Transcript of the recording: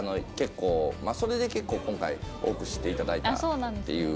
まあそれで結構今回多く知って頂いたっていう。